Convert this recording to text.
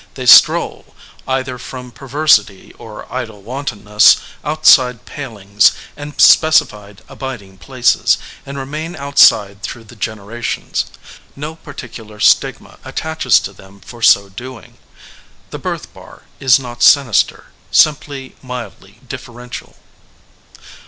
They stroll, either from perversity or idle wantonness, outside palings and specified abiding places, and remain outside through the generations. No particular stigma attaches to them for so doing. The birth bar is not sinister, simply mildly differential.